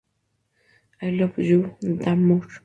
I Love You Damn Much".